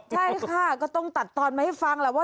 ใช่ค่ะก็ต้องตัดตอนมาให้ฟังแหละว่า